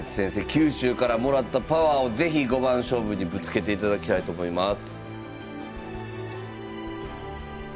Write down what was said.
九州からもらったパワーを是非五番勝負にぶつけていただきたいと思います。